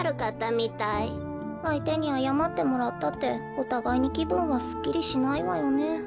あいてにあやまってもらったっておたがいにきぶんはすっきりしないわよね。